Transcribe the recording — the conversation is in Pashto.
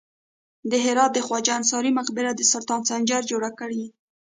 د هرات د خواجه انصاري مقبره د سلطان سنجر جوړه کړې